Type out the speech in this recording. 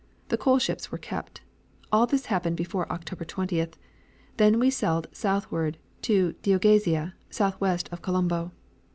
The coal ships were kept. All this happened before October 20th. Then we sailed southward to Deogazia, southwest of Colombo."